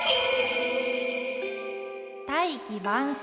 「大器晩成」。